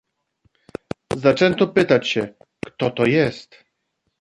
"Zaczęto pytać się: kto to jest?"